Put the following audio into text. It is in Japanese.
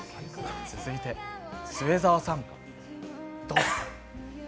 続いて末澤さんどうぞ。